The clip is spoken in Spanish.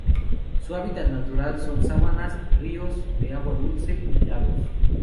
Su hábitat natural son: sabanas, ríos, de agua dulce y lagos.